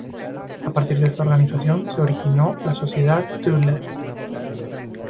A partir de esta organización se originó la Sociedad Thule.